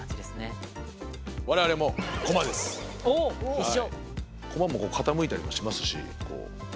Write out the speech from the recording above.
一緒！